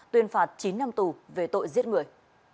tuyên phạt chín năm tù về tội giết người